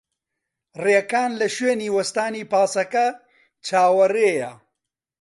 ڕێکان لە شوێنی وەستانی پاسە، چاوەڕێیە.